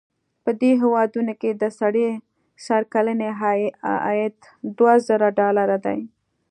په دې هېوادونو کې د سړي سر کلنی عاید دوه زره ډالره دی.